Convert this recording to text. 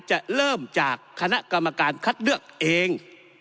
จะเริ่มจากคณะกรรมการคัดเลือกเอง